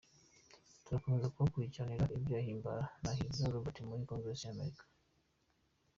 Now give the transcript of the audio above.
Turakomeza kubakurikiranira ibya Himbara na Higiro Robert muri Congres ya America…